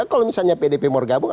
kalau misalnya pdp mau gabung